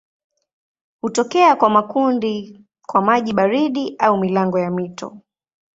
Hutokea kwa makundi kwa maji baridi au milango ya mito.